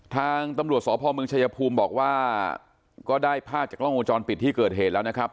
ทางตำรวจสพเมืองชายภูมิบอกว่าก็ได้ภาพจากกล้องวงจรปิดที่เกิดเหตุแล้วนะครับ